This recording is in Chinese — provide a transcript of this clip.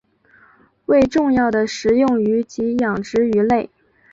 为重要的食用鱼及养殖鱼类。